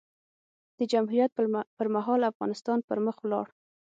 د جمهوریت پر مهال؛ افغانستان پر مخ ولاړ.